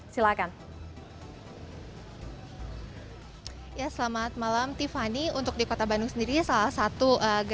selamat malam tiffany untuk di kota works tradisi salah satu